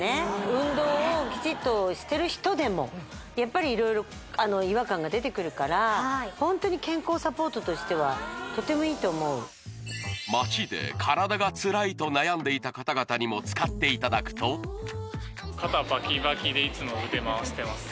運動をきちっとしてる人でもやっぱり色々違和感が出てくるからホントに健康サポートとしてはとてもいいと思う街で体がつらいと悩んでいた方々にも使っていただくと肩バキバキでいつも腕回してます